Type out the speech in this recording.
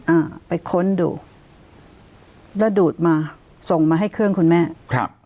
อ่าไปค้นดูแล้วดูดมาส่งมาให้เครื่องคุณแม่ครับ